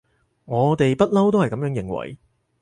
我哋不溜都係噉樣認為